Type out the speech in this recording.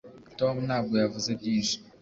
tom ntabwo yavuze byinshi